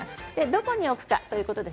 どこに置くのか。